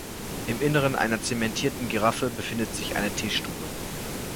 Im Innern einer zementierten Giraffe befindet sich eine Teestube.